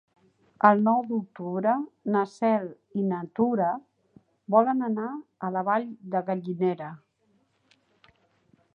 El nou d'octubre na Cel i na Tura volen anar a la Vall de Gallinera.